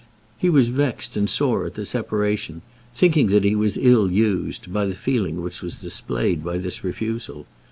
He was vexed and sore at the separation, thinking that he was ill used by the feeling which was displayed by this refusal.